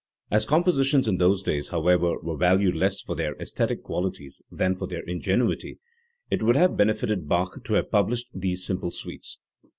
As compositions in those days, however, were valued less for their aesthetic qualities than for their ingenuity, it would not have benefited Bach to have published these simple suites.